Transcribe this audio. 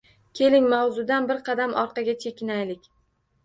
Keling, mavzudan bir qadam orqaga chekinaylik